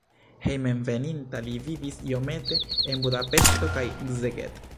Hejmenveninta li vivis iomete en Budapeŝto kaj Szeged.